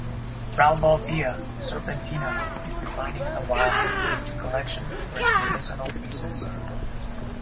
"Rauvolfia serpentina" is declining in the wild due to collection for its medicinal uses.